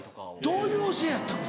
どういう教えやったの？